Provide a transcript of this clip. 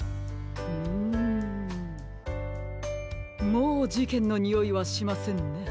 もうじけんのにおいはしませんね。